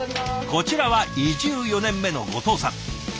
こちらは移住４年目の後藤さん。